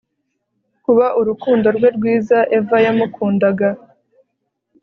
Kuba urukundo rwe rwiza Eva yamukundaga